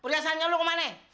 perhiasannya lo kemana